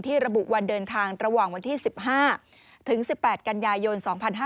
ระบุวันเดินทางระหว่างวันที่๑๕ถึง๑๘กันยายน๒๕๕๙